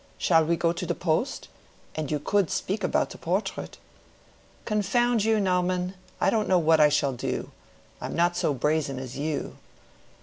Shall we go to the post? And you could speak about the portrait." "Confound you, Naumann! I don't know what I shall do. I am not so brazen as you."